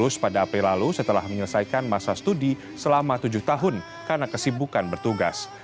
selama tujuh tahun karena kesibukan bertugas